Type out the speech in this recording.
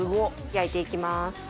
焼いていきます。